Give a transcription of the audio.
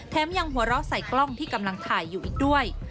ยังหัวเราะใส่กล้องที่กำลังถ่ายอยู่อีกด้วย